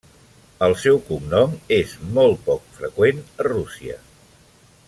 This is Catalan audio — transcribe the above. El seu cognom és molt poc freqüent a Rússia.